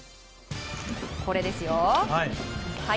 これですよ！